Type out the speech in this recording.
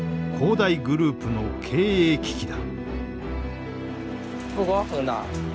大グループの経営危機だ。